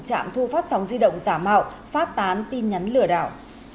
trạm thu phát sóng di động giả mạo phát tán tin nhắn lừa đảo